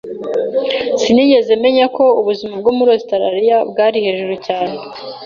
Sinigeze menya ko ubuzima bwo muri Ositaraliya bwari hejuru cyane.